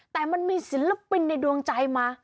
แต่มันมีศิลปินในดวงใจมา